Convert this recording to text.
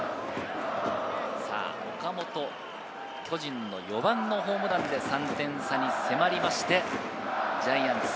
岡本、巨人の４番のホームランで３点差に迫りまして、ジャイアンツ、